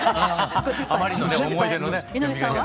井上さんは？